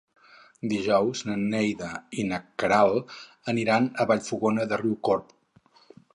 Dijous na Neida i na Queralt aniran a Vallfogona de Riucorb.